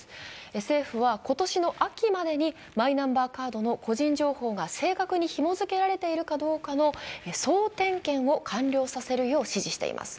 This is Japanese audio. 政府は今年の秋までにマイナカードの個人情報が正確にひも付けられているかどうかの総点検を完了させるように指示しています。